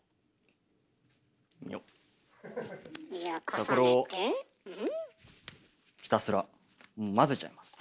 じゃこれをひたすら混ぜちゃいます。